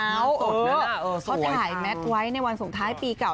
เหมือนสกแล้วล่ะเออสวยค่ะเขาถ่ายแมทไว้ในวันสงท้ายปีเก่า